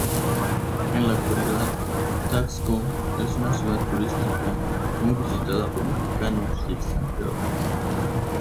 En la actualidad Taxco es una ciudad turística, muy visitada por mexicanos y extranjeros.